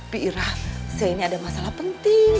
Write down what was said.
bi ira saya ini ada masalah penting